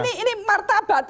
karena ini martabat